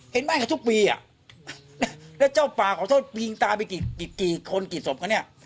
เห็นไหมกันทุกปีอ่ะแล้วเจ้าป่าขอโทษบิงตาไปกี่กี่คนกี่สมกันเนี้ย